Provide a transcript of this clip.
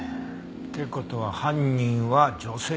って事は犯人は女性。